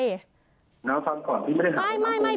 น้องฟังก่อนพี่ไม่ได้ทำ